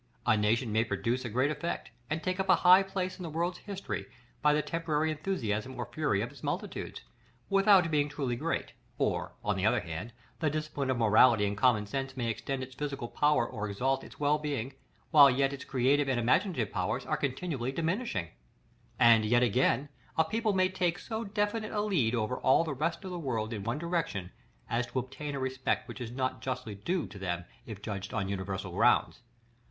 A nation may produce a great effect, and take up a high place in the world's history, by the temporary enthusiasm or fury of its multitudes, without being truly great; or, on the other hand, the discipline of morality and common sense may extend its physical power or exalt its well being, while yet its creative and imaginative powers are continually diminishing. And again: a people may take so definite a lead over all the rest of the world in one direction, as to obtain a respect which is not justly due to them if judged on universal grounds.